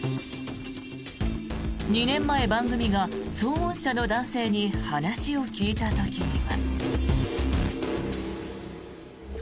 ２年前、番組が騒音車の男性に話を聞いた時には。